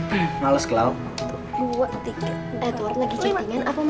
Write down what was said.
sini karena nasional